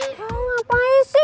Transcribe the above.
tau ngapain sih